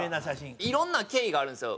いろんな経緯があるんですよ